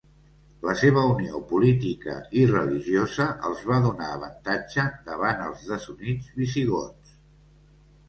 La seva unió política i religiosa els va donar avantatge davant els desunits visigots.